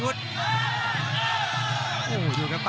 คมทุกลูกจริงครับโอ้โห